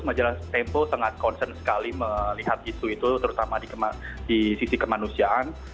majalah tempo sangat concern sekali melihat isu itu terutama di sisi kemanusiaan